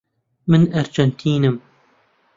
من ئەرجێنتینم.